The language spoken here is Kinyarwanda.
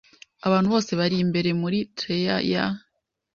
Abantu bose bari imbere muri trailer ya .